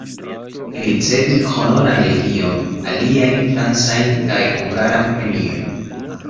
Li ricevis Honoran legion, aliajn francajn kaj hungaran premiojn.